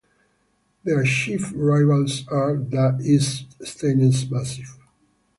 Their chief rivals are Da East Staines Massiv.